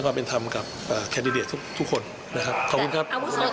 ครับครับ